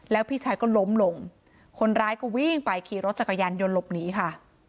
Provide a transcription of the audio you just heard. แล้วพี่ชายก็ล้มลงคนร้ายก็วิ่งไปขี่รถจักรยานยนต์หลบหนีค่ะ